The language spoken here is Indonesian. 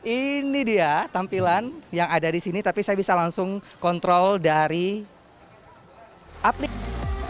ini dia tampilan yang ada di sini tapi saya bisa langsung kontrol dari aplikasi